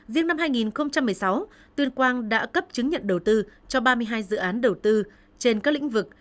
riêng năm hai nghìn một mươi sáu tuyên quang đã cấp chứng nhận đầu tư cho ba mươi hai dự án đầu tư trên các lĩnh vực